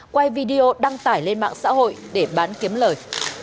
quay video đăng tải lên mạng xã hội để bán kiếm lời